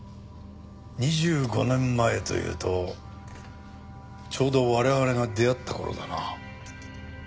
２５年前というとちょうど我々が出会った頃だな。